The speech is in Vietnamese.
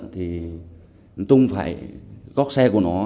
thì tung phải góc xe của nó